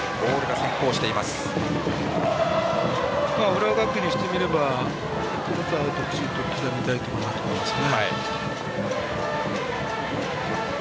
浦和学院にしてみれば１個ずつアウトを刻みたいところだと思います。